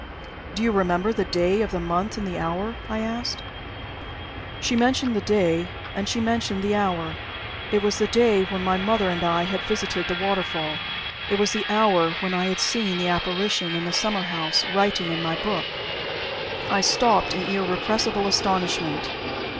"Do you remember the day of the month and the hour?" I asked. She mentioned the day, and she mentioned the hour. It was the day when my mother and I had visited the waterfall. It was the hour when I had seen the apparition in the summer house writing in my book! I stopped in irrepressible astonishment.